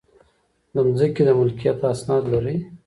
د ځمکې د ملکیت اسناد لرئ؟